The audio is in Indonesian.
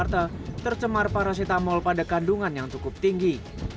tercemar paracetamol pada kandungan yang cukup tinggi